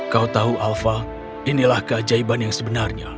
kau tahu alpha inilah keajaiban yang sebenarnya